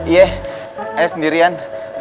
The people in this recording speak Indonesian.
iya ayah sendirian